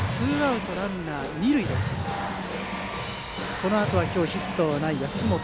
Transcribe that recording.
このあとは今日ヒットのない安本。